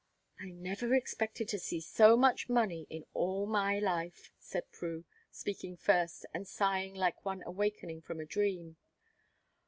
"I never expected to see so much money in all my life," said Prue, speaking first, and sighing like one awakening from a dream.